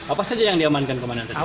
apa saja yang diamankan kemana tadi